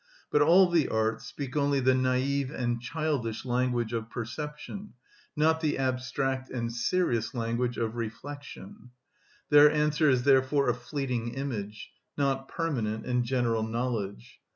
But all the arts speak only the naive and childish language of perception, not the abstract and serious language of reflection; their answer is therefore a fleeting image: not permanent and general knowledge.